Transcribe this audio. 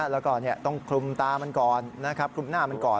แล้วก็ต้องคลุมตามันก่อนนะครับคลุมหน้ามันก่อน